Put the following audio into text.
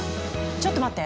ちょっと待って！